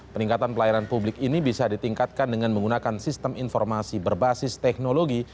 peningkatan pelayanan publik ini bisa ditingkatkan dengan menggunakan sistem informasi berbasis teknologi